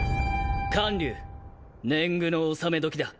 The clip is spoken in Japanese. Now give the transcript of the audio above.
観柳年貢の納め時だ。